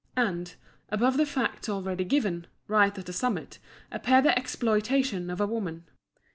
And, above the facts already given, right at the summit, appeared the exploitation of woman.